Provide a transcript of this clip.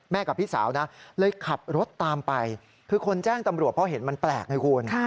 กับพี่สาวนะเลยขับรถตามไปคือคนแจ้งตำรวจเพราะเห็นมันแปลกไงคุณ